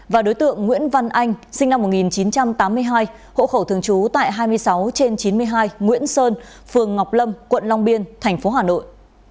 và đối tượng nguyễn văn anh sinh năm một nghìn chín trăm tám mươi hai hộ khẩu thường trú tại hai mươi sáu trên chín mươi hai nguyễn sơn phường ngọc lâm quận long biên thành phố hà nội